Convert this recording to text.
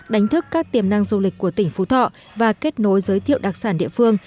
đánh thức các tiềm năng du lịch của tỉnh phú thọ và kết nối giới thiệu đặc sản địa phương